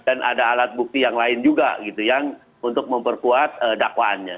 dan ada alat bukti yang lain juga gitu yang untuk memperkuat dakwaannya